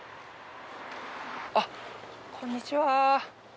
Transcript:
あっこんにちは